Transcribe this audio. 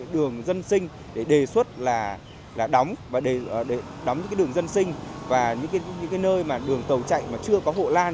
đường dân sinh để đề xuất là đóng và đóng những đường dân sinh và những nơi mà đường tàu chạy mà chưa có hộ lan